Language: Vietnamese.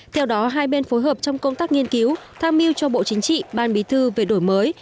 theo đó hai bên phối hợp trong công tác nghiên cứu tham mưu cho bộ chính trị ban bí thư về đổi mới